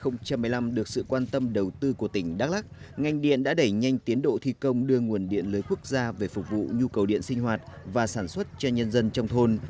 năm hai nghìn một mươi năm được sự quan tâm đầu tư của tỉnh đắk lắc ngành điện đã đẩy nhanh tiến độ thi công đưa nguồn điện lưới quốc gia về phục vụ nhu cầu điện sinh hoạt và sản xuất cho nhân dân trong thôn